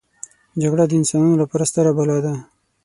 جګړه د انسانانو لپاره ستره بلا ده